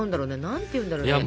何て言うんだろうね。